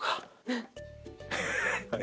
はい。